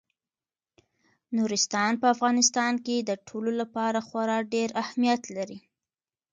نورستان په افغانستان کې د ټولو لپاره خورا ډېر اهمیت لري.